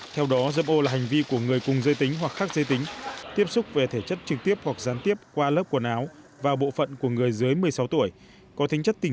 theo đó dâm ô là hành vi của người cùng dây tính hoặc khác dây tính